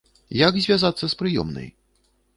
Як звязацца з прыёмнай?